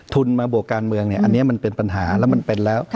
ทุนมาบวกการเมืองเนี่ยอันนี้มันเป็นปัญหาแล้วมันเป็นแล้ว